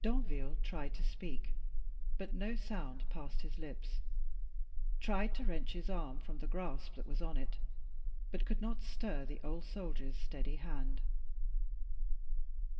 Danville tried to speak, but no sound passed his lips; tried to wrench his arm from the grasp that was on it, but could not stir the old soldier's steady hand.